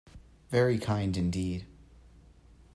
Very kind indeed.